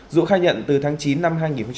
dũ khai nhận từ tháng chín năm hai nghìn một mươi bảy